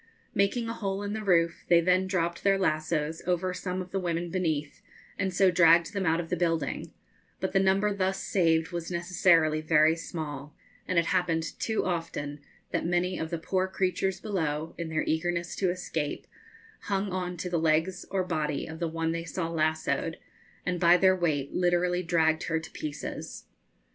Making a hole in the roof, they then dropped their lassoes over some of the women beneath, and so dragged them out of the building; but the number thus saved was necessarily very small, and it happened too often that many of the poor creatures below, in their eagerness to escape, hung on to the legs or body of the one they saw lassoed, and by their weight literally dragged her to pieces.